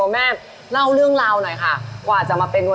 แม่แตงควาอย่างว่าอร่อย